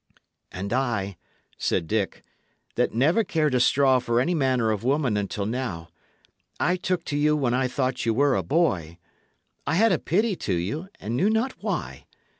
"And I," said Dick, "that never cared a straw for any manner of woman until now, I took to you when I thought ye were a boy. I had a pity to you, and knew not why.